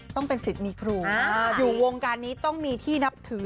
ต้องเป็นสิทธิ์มีครูอยู่วงการนี้ต้องมีที่นับถือ